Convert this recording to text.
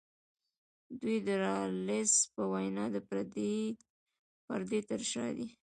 دوی د رالز په وینا د پردې تر شا دي.